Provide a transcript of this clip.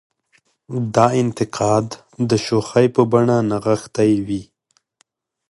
دا انتقاد د شوخۍ په بڼه نغښتې وي.